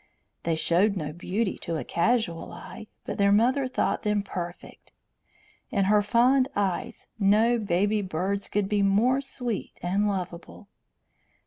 They showed no beauty to a casual eye, but their mother thought them perfect. In her fond eyes no baby birds could be more sweet and lovable.